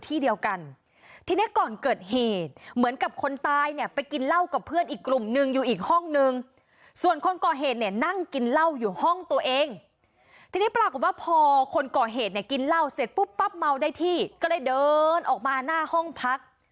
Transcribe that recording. ทีนี้ปรากฏว่าพอคนก่อเหตุเนี่ยกินเหล้าเสร็จปุ๊บปั๊บเมาได้ที่ก็เลยเดินออกมาหน้าห้องพัก